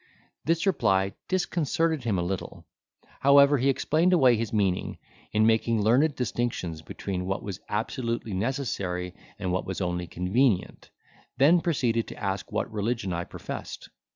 This reply disconcerted him a little; however, he explained away his meaning, in making learned distinctions between what was absolutely necessary and what was only convenient; then proceeded to ask what religion I professed.